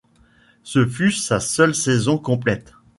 Ce fut sa seule saison complète.